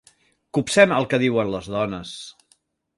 Copsem el que diuen les dones.